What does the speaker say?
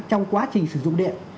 trong quá trình sử dụng điện